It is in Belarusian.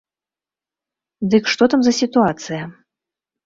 Дык што там за сітуацыя?